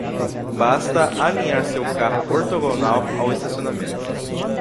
Basta alinhar seu carro ortogonal ao estacionamento.